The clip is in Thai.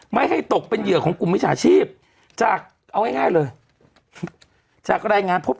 ไม่ให้ตกเป็นเหยื่อของกลุ่มวิชาชีพจากเอาง่ายเลยจากก็ได้งานพบ